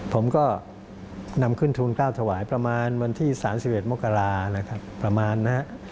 ผมก็นำขึ้นทูล๙ถวายประมาณวันที่๓๑มกรานะครับประมาณนะฮะ